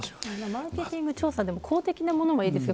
マーケティング調査でも公的なものはいいですよ。